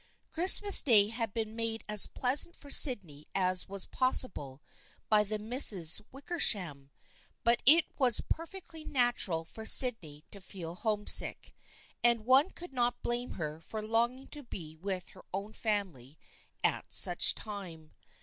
Christmas Day had been made as pleasant for Sydney as was pos sible by the Misses Wickersham, but it was per fectly natural for Sydney to feel homesick, and one could not blame her for longing to be with her own family at such a time.